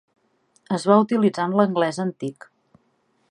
Es va utilitzar en l'anglès antic.